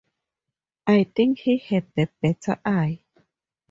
I think he had the better eye.